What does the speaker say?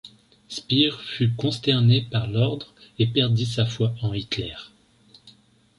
Speer fut consterné par l'ordre et perdit sa foi en Hitler.